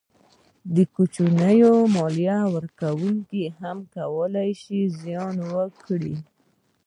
کوچنیو مالیه ورکوونکو هم کولای شوای چې زیان کړي.